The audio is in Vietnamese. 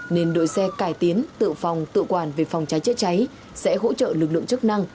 nên đội xe cải tiến tự phòng tự quản về phòng cháy chữa cháy sẽ hỗ trợ lực lượng chức năng